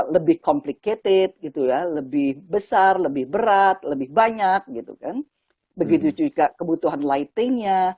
lebih complicated gitu ya lebih besar lebih berat lebih banyak gitu kan begitu juga kebutuhan lightingnya